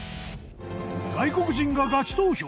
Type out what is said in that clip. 外国人がガチ投票！